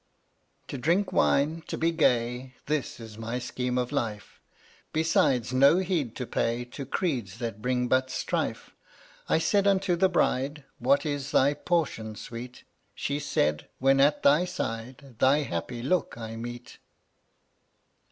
To drink wine, to be gay — This is my scheme of life, £/ Besides no heed to pay To creeds that bring but strife. I said unto the Bride: "What is thy portion, Sweet?" She said: "When at thy side Thy happy look I meet."